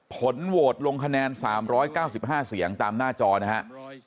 ผลโหวตลงคะแนนสามร้อยเก้าสิบห้าเสียงตามหน้าจอนะฮะอ่า